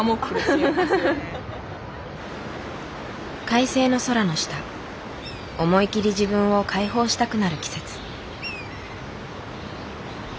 快晴の空の下思い切り自分を解放したくなる季節。